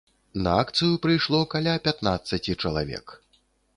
На акцыю прыйшло каля пятнаццаці чалавек.